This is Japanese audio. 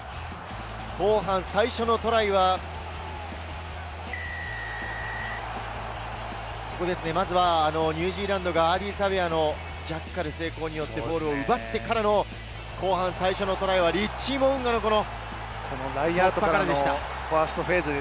後半最初のトライはニュージーランドがアーディー・サヴェアのジャッカル成功によってボールを奪ってから後半、最初のトライはブリッチー・モウンガからの突破でした。